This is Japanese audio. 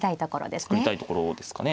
作りたいところですかね。